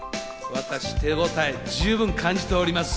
私、手応え十分感じております。